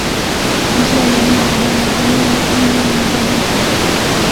一些伦理理论已被应用于照片操作。